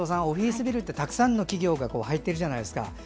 オフィスビルってたくさんの企業が入ってるじゃないですか。